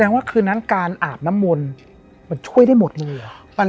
แสดงว่าคืนนั่งการอาบน้ำมนต์มันช่วยได้หมดอย่างนี้เหรอ